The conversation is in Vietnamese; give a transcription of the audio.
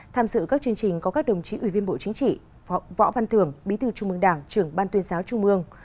tham dự các chương trình có các đồng chí ủy viên bộ chính trị võ văn thường bí thư trung mương đảng trưởng ban tuyên giáo trung mương